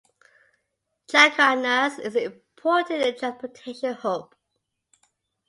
Chaguanas is an important transportation hub.